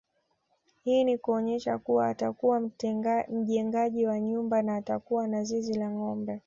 Hii ni kuonyesha kuwa atakuwa mjengaji wa nyumba na atakuwa na zizi la ngombe